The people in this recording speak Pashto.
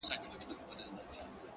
كله ـكله ديدنونه زما بــدن خــوري ـ